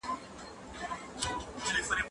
زه اجازه لرم چي کالي وچوم